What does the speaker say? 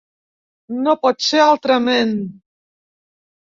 No pot ser altrament.